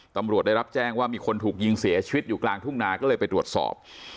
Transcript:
ตำรวจได้รับแจ้งว่ามีคนถูกยิงเสียชีวิตอยู่กลางทุ่งนาก็เลยไปตรวจสอบ